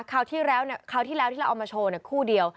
คราวที่เราเอามาโชว์คู่เดียว